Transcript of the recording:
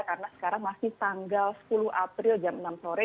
karena sekarang masih tanggal sepuluh april jam enam sore